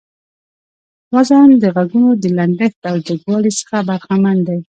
وزن د غږونو د لنډښت او جګوالي څخه برخمن دى.